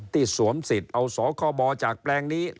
ที่สวมศิษรเอาศบจากแปลงนี้